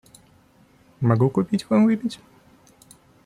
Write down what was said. Могу купить вам выпить?